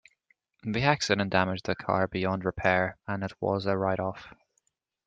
The accident damaged the car beyond repair, and it was a write-off